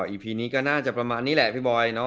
อีพีนี้ก็น่าจะประมาณนี้แหละพี่บอย